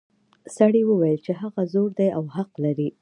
سړي وویل چې هغه زوړ دی او حق لري.